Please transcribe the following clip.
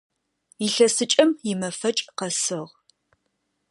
Илъэсыкӏэм имэфэкӏ къэсыгъ.